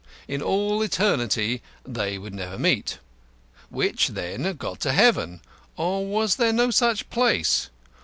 In all eternity they would never meet. Which, then, got to heaven? Or was there no such place?